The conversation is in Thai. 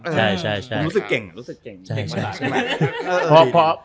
รู้สึกเก่ง